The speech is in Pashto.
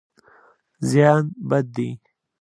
زیان بد دی.